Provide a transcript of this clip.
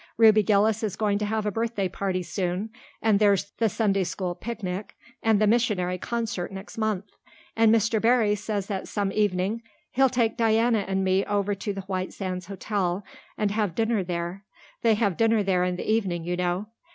Ruby Gillis is going to have a birthday party soon and there's the Sunday school picnic and the missionary concert next month. And Mr. Barry says that some evening he'll take Diana and me over to the White Sands Hotel and have dinner there. They have dinner there in the evening, you know.